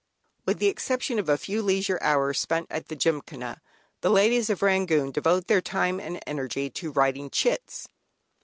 With the exception of a few leisure hours spent at the Gymkhana, the ladies of Rangoon devote their time and energy to writing "Chits."